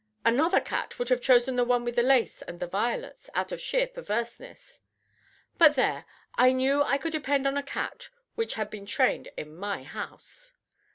"Another cat would have chosen the one with the lace and the violets, out of sheer perverseness. But there I knew I could depend on a cat which had been trained in my house."